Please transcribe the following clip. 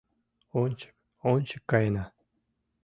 Ончык, ончык каена